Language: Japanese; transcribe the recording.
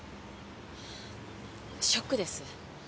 ショックです。